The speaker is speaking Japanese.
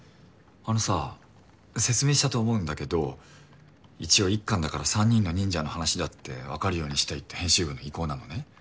あのさ説明したと思うんだけど一応１巻だから３人の忍者の話だってわかるようにしたいって編集部の意向なのね。